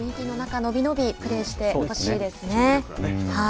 いい雰囲気の中伸び伸びプレーしてほしいですね。